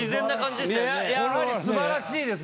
やはり素晴らしいですね。